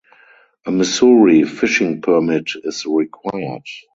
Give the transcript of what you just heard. A Missouri fishing permit is required.